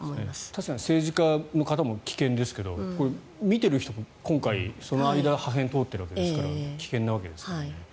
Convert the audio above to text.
確かに政治家の方も危険ですけど見てる人も今回、その間を破片が通っているわけですから危険なわけですからね。